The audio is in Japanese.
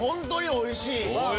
おいしい！